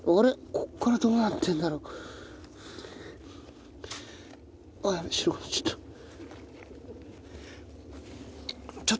ここからどうなってるんだろう？やべっ！